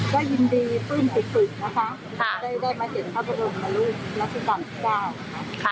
ก็ยินดีพึ่งจุดนะคะได้มาเจ็นพระองค์มารุ่นราชกาลที่เก้า